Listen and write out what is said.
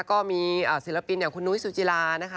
ก็มีศิลปินอย่างคุณนุ้ยสุจิลานะคะ